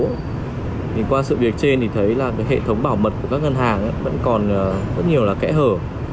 thì qua sự việc trên thì thấy là cái hệ thống bảo mật của các ngân hàng vẫn còn rất nhiều là kẽ hở